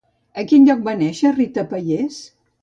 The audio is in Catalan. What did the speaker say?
A quin lloc va néixer Rita Payés?